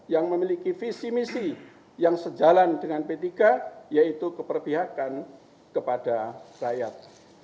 yang memiliki visi misi yang sejalan dengan p tiga yaitu keperpihakan kepada rakyat